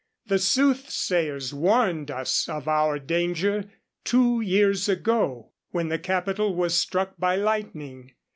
The soothsayers warned us of our danger two years ago, when the Capitol was struck by lightning.